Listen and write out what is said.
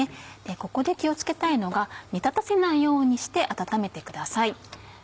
ここで気を付けたいのが煮立たせないようにして温めてください。